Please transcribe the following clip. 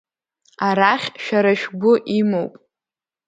Арахь шәара шәгәы имоуп!